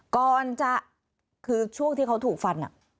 ก่อนจะคือช่วงที่เขาถูกฟัน